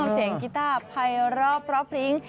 เสียงกีต้าไพรอบรอบพลิ้ง